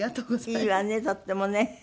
いいわねとってもね。